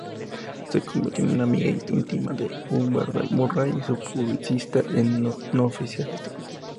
Se convirtió en una amiga íntima de Hubert Murray y su publicista no oficial.